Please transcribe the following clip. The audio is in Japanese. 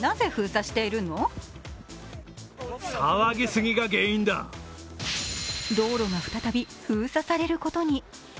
すると翌日道路が再び封鎖されることに。